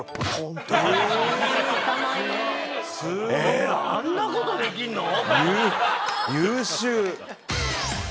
えあんなことできんの？